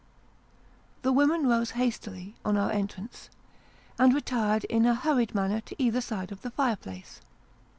The women rose hastily, on our entrance, and retired in a hurried manner to either side of the fire place.